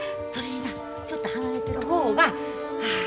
それになちょっと離れてる方があ